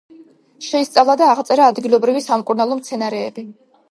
შეისწავლა და აღწერა ადგილობრივი სამკურნალო მცენარეები.